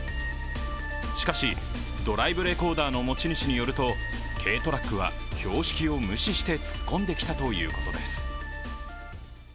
しかし、ドライブレコーダーの持ち主によると軽トラックは標識を無視して突っ込んできたということです。